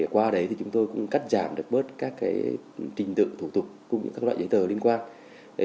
qua đấy chúng tôi cũng cắt giảm được bớt các trình tựu thủ tục các loại giấy tờ liên quan